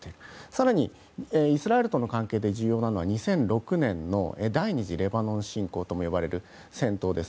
更に、イスラエルとの関係で重要なのは２００６年の第２次レバノン侵攻と呼ばれる戦闘です。